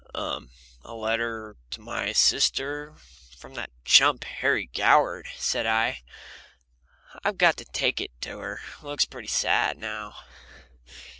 "A letter to my sister from that chump. Harry Goward," said I. "I've got to take it to her. Looks pretty sad now."